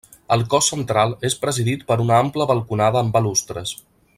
El cos central és presidit per una ampla balconada amb balustres.